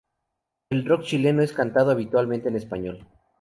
El rock chileno es cantado habitualmente en español.